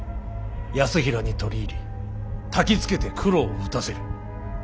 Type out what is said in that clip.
泰衡に取り入りたきつけて九郎を討たせる。